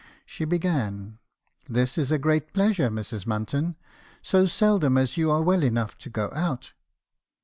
She began: — "'This is a great pleasure, Mrs. Munton; so seldom as you are well enough to go out.'